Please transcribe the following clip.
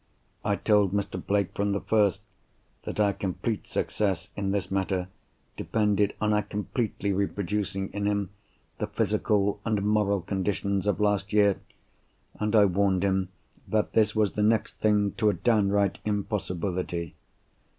I told Mr. Blake from the first, that our complete success in this matter depended on our completely reproducing in him the physical and moral conditions of last year—and I warned him that this was the next thing to a downright impossibility.